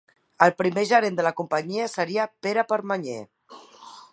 El primer gerent de la companyia seria Pere Permanyer.